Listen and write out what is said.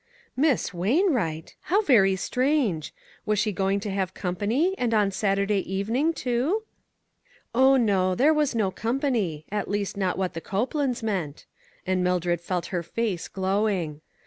Miss Wainwright ! How very strange ! Was she going to have company ; and on Satur day evening, too ?" Oh, no, there was no company ; at least not what the Copelands meant ;" and Mil dred felt her face glowing.